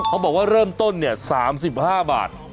เขาบอกว่าเริ่มต้น๓๕บาท